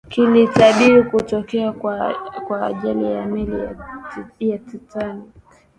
kilitabiri kutokea kwa ajali ya meli ya titanic